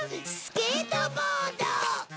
スケートボード。